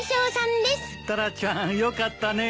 タラちゃんよかったね。